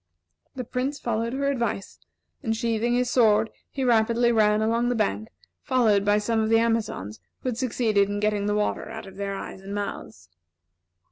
The Prince followed her advice, and sheathing his sword he rapidly ran along the bank, followed by some of the Amazons who had succeeded in getting the water out of their eyes and mouths.